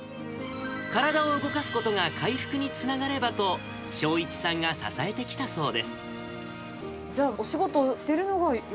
体を動かすことが回復につながればと、正一さんが支えてきたそうじゃあ、お仕事してるのがよ